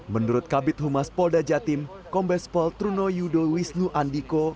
menurut kabit humas polda jatim kombes pol truno yudo wisnu andiko